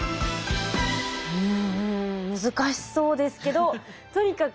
うん難しそうですけどとにかく